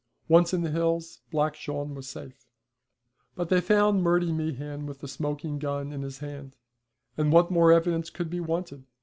Once in the hills Black Shawn was safe. But they found Murty Meehan with the smoking gun in his hand, and what more evidence could be wanted?